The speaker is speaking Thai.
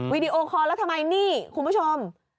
วิดีโอคอร์แล้วทำไมนี่คุณผู้ชม